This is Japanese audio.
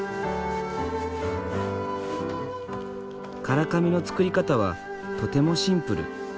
唐紙の作り方はとてもシンプル。